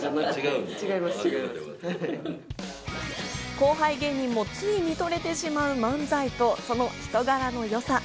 後輩芸人もつい認めてしまう漫才とその人柄のよさ。